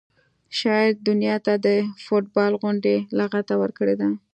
شاعر دنیا ته د فټبال غوندې لغته ورکړې ده